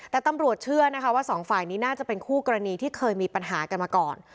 แต่ตำรวจเชื่อนะคะว่าสองฝ่ายนี้น่าจะเป็นคู่กรณีที่เคยมีปัญหากันมาก่อน